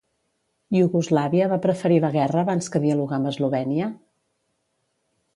Iugoslàvia va preferir la guerra abans que dialogar amb Eslovènia?